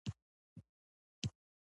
لږ ځای خو راکړه .